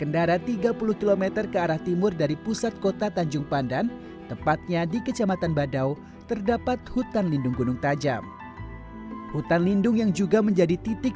dan kemudian ekosistem juga rusak